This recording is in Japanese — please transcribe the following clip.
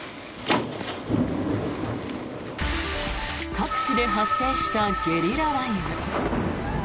各地で発生したゲリラ雷雨。